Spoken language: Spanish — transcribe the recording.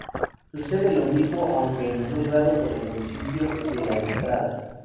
Sucede lo mismo, aunque en menor grado, con el municipio de La Estrada.